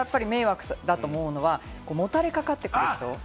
私が迷惑だと思うのは、もたれかかってくる人。